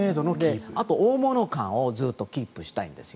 あと、大物感をずっとキープしたいんですよ。